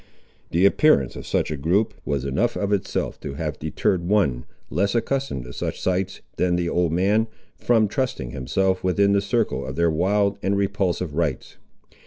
The appearance of such a group was enough of itself to have deterred one, less accustomed to such sights than the old man, from trusting himself within the circle of their wild and repulsive rites.